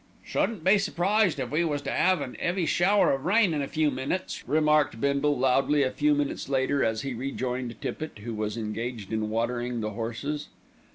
"Shouldn't be surprised if we was to 'ave an 'eavy shower of rain in a few minutes," remarked Bindle loudly a few minutes later, as he rejoined Tippitt, who was engaged in watering the horses.